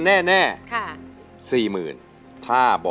กลับไปก่อนที่สุดท้าย